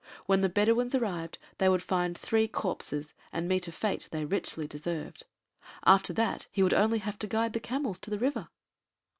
When the Bedouins arrived, they would find three corpses, and meet a fate they richly deserved. After that he would only have to guide the camels to the river.